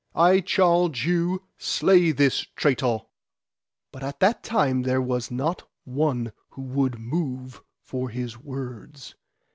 I charge you slay this traitor. But at that time there was not one would move for his words.